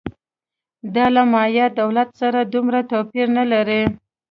دا له مایا دولت سره دومره توپیر نه لري